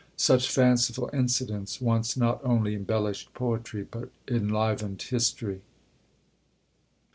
Such fanciful incidents once not only embellished poetry, but enlivened history.